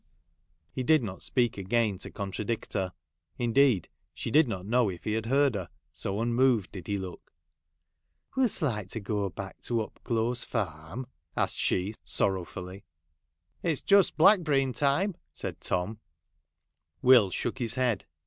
He did not speak again to contradict her ; indeed she did not know if he had heard her, so unmoved did he look. ' Would'st like to go back to Upclose Farm ?' asked she, sorrowfully. ' It 's just blackberrying tune,' said Tom. Will shook his head.